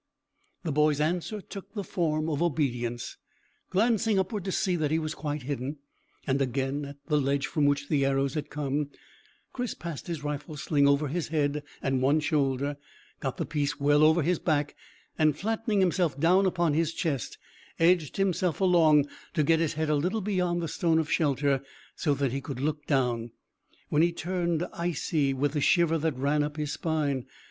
The boy's answer took the form of obedience. Glancing upward to see that he was quite hidden, and again at the ledge from which the arrows had come, Chris passed his rifle sling over his head and one shoulder, got the piece well over his back, and flattening himself down upon his chest, edged himself along to get his head a little beyond the stone of shelter so that he could look down, when he turned icy with the shiver that ran up his spine.